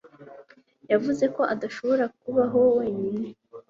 yavuze ko adashaka kubaho wenyine.